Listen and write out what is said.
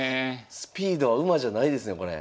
スピードは馬じゃないですねこれ。